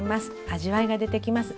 味わいが出てきます。